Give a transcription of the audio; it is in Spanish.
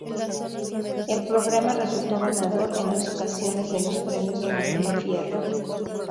El programa resultó ganador en dos ocasiones de los Premios Martín Fierro.